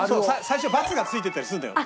最初「×」がついてたりするのよ。